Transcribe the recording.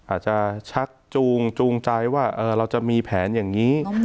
อาจจะชักจูงจูงใจว่าเราจะมีแผนอย่างนี้